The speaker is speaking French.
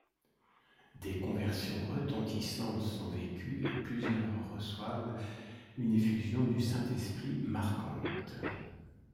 Des conversions retentissantes sont vécues et plusieurs reçoivent une effusion du Saint-Esprit marquante.